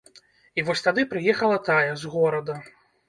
І вось тады прыехала тая, з горада.